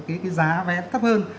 cái giá vẽ thấp hơn